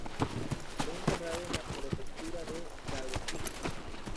Fue enterrado en la prefectura de Kagoshima.